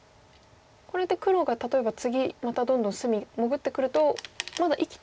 これって黒が例えば次またどんどん隅潜ってくるとまだ生きてはない。